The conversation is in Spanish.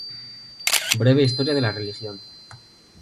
Breve historia de la religión.